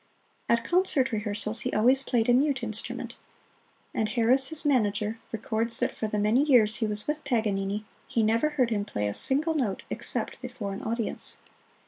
At concert rehearsals he always played a mute instrument; and Harris, his manager, records that for the many years he was with Paganini he never heard him play a single note except before an audience.